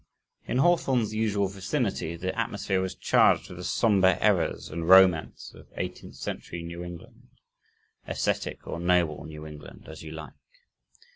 In Hawthorne's usual vicinity, the atmosphere was charged with the somber errors and romance of eighteenth century New England, ascetic or noble New England as you like.